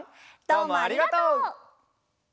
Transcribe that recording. どうもありがとう！